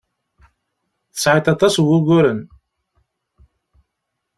Tesɛiḍ aṭas n wuguren.